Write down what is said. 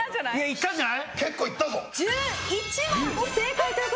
いったんじゃない？